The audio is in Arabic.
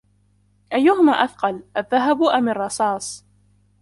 أيهما أثقل ، الذهب أم الرصاص ؟